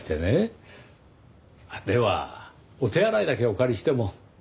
ではお手洗いだけお借りしても？